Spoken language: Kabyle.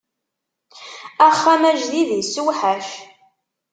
Axxam ajdid issewḥac.